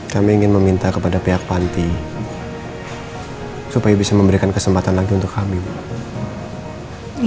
kami ingin meminta kepada pihak panti supaya bisa memberikan kesempatan lagi untuk kami